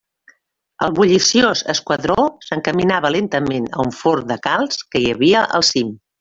El bulliciós esquadró s'encaminava lentament a un forn de calç que hi havia al cim.